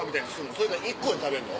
それか１個で食べんの？